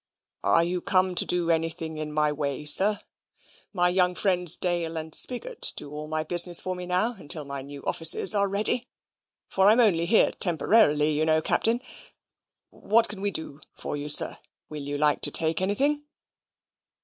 "Are you come to do anything in my way, sir? My young friends Dale and Spiggot do all my business for me now, until my new offices are ready; for I'm only here temporarily, you know, Captain. What can we do for you, sir? Will you like to take anything?"